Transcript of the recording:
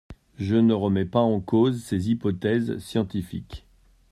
Je ne remets pas en cause ses hypothèses scientifiques.